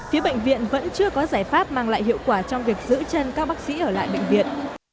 phía bệnh viện vẫn chưa có giải pháp mang lại hiệu quả trong việc giữ chân các bác sĩ ở lại bệnh viện